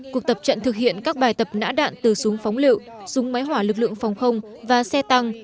cuộc tập trận thực hiện các bài tập nã đạn từ súng phóng lựu súng máy hỏa lực lượng phòng không và xe tăng